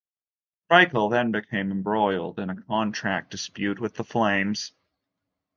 Reichel then became embroiled in a contract dispute with the Flames.